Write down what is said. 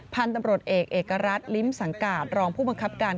พันธุ์ตำรวจเอกเอกรัฐลิ้มสังกาศรองผู้บังคับการ